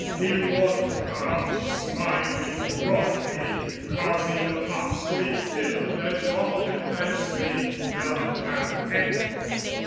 He walked about, smiling broadly, causing the pots to be filled as often as they fell half empty.